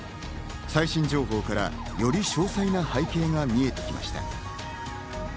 最新情報から、より詳細な背景が見えてきました。